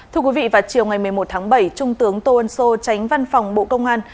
thưa quý vị vào chiều ngày một mươi một tháng bảy trung tướng tô ân sô tránh văn phòng bộ công an